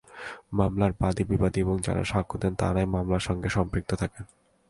মামলার বাদী, বিবাদী এবং যাঁরা সাক্ষ্য দেন, তাঁরাই মামলার সঙ্গে সম্পৃক্ত থাকেন।